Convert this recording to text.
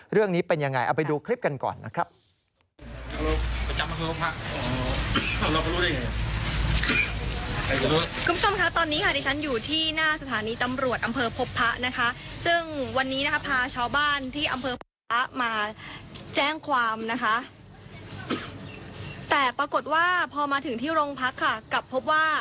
เรื่องนี้เป็นยังไงเอาไปดูคลิปกันก่อนนะครับ